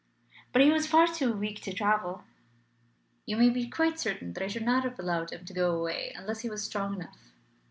"But he was far too weak to travel." "You may be quite certain that I should not have allowed him to go away unless he was strong enough."